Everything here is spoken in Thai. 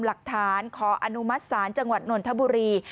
หลักฐานขออนุมัติศาลจังหวัดนนทบุรี